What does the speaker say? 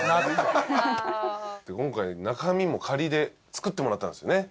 今回中身も仮で作ってもらったんですよね。